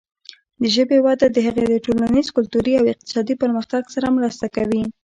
د ژبې وده د هغې د ټولنیز، کلتوري او اقتصادي پرمختګ سره مرسته کوي.